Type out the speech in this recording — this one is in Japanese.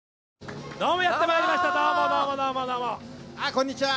こんにちは。